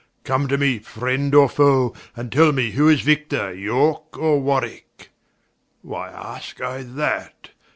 come to me, friend, or foe, And tell me who is Victor, Yorke, or Warwicke? Why aske I that?